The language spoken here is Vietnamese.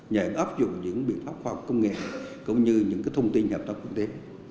nhờ ấp dụng những biện pháp khoa học công nghệ cũng như những thông tin hợp tác quốc tế